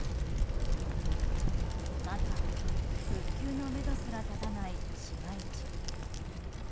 まだ復旧のめどすら立たない市街地。